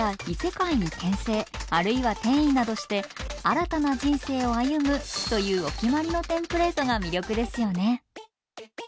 あるいは転移などして新たな人生を歩むというお決まりのテンプレートが魅力ですよね。